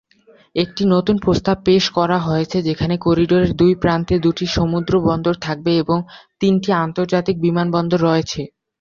একটি নতুন প্রস্তাব পেশ করা হয়েছে যেখানে করিডোরের দুই প্রান্তে দুটি সমুদ্র বন্দর থাকবে এবং তিনটি আন্তর্জাতিক বিমানবন্দর রয়েছে।